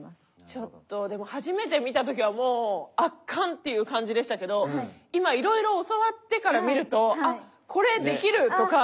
ちょっとでも初めて見た時はもう圧巻っていう感じでしたけど今いろいろ教わってから見るとあっこれできるとか。